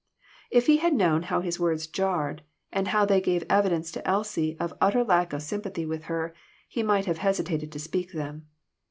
If he had known how his words jarred, and how they gave evidence to Elsie of utter lack of sympathy with her, he might have hesitated to speak them.